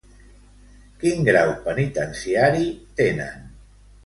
Quin grau penitenciari tenen?